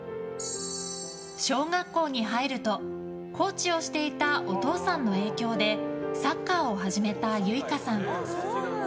小学校に入るとコーチをしていたお父さんの影響でサッカーを始めた結奏さん。